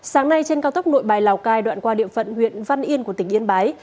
sáng nay trên cao tốc nội bài lào cai đoạn qua địa phận huyện văn yên của tỉnh yên bái